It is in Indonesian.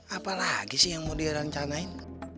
apa lagi sih yang mau direncanain